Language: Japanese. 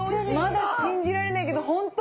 まだ信じられないけど本当？